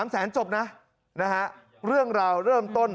แสนจบนะนะฮะเรื่องราวเริ่มต้น